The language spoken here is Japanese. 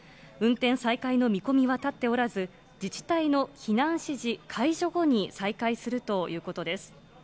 運転再開の見込みは立っておらず、自治体の避難指示解除後に再開するということです。